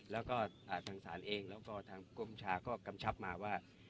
แล้วก็ทางศาลเองแล้วก็ทางกรมชาก็กำชับมาว่า